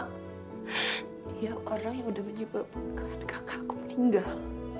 dia orang yang sudah menyebabkan kakakku meninggal